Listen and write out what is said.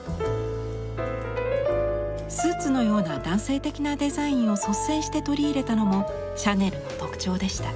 スーツのような男性的なデザインを率先して取り入れたのもシャネルの特徴でした。